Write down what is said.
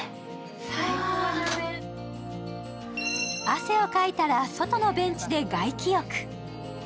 汗をかいたら外のベンチで外気浴。